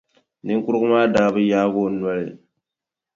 Niŋkurugu maa daa bi yaagi o noli.